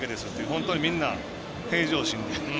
本当にみんな平常心で。